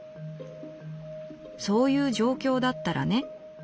『そういう状況だったらね』」。